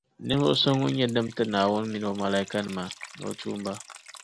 Ninvuɣu so ŋun nyɛ dima n-ti Naawuni mini O Malaaikanima, ni O tuumba